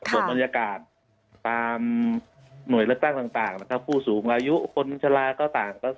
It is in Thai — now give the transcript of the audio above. บนบรรยากาศน้วยเลิกตั้งต่างผู้สูงอายุคนชาลาก็ต่าง